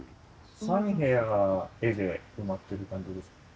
３部屋が絵で埋まってる感じですか？